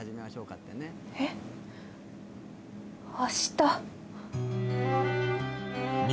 えっ、明日。